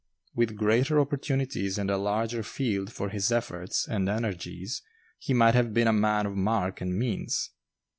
With greater opportunities and a larger field for his efforts and energies, he might have been a man of mark and means.